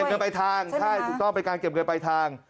เงินไปทางใช่ถูกต้องเป็นการเก็บเงินปลายทาง